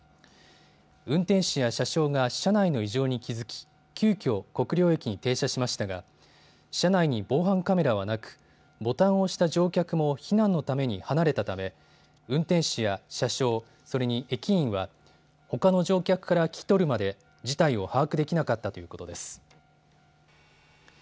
運転士や車掌が車内の異常に気付き急きょ、国領駅に停車しましたが車内に防犯カメラはなくボタンを押した乗客も避難のために離れたため運転士や車掌、それに駅員はほかの乗客から聞き取るまで事態を把握できなかったということです。